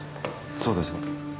そうですが。